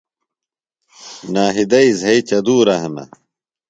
ناہیدئی زھئی چدُورہ ہِنہ۔